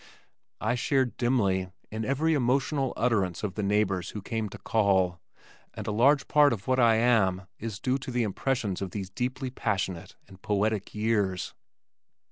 I shared dimly in every emotional utterance of the neighbors who came to call and a large part of what I am is due to the impressions of these deeply passionate and poetic years.